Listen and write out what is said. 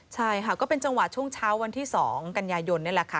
ใช่ค่ะก็เป็นจังหวะช่วงเช้าวันที่๒กันยายนนี่แหละค่ะ